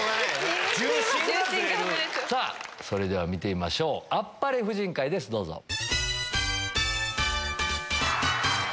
さぁそれでは見てみましょうあっぱれ婦人会ですどうぞ。